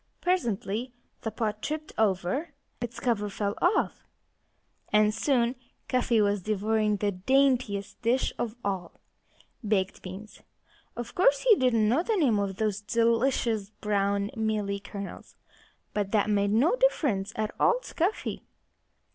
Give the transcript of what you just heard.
Presently the pot tipped over, its cover fell off, and soon Cuffy was devouring the daintiest dish of all! Baked beans! Of course, he didn't know the name of those delicious, brown, mealy kernels. But that made no difference at all to Cuffy.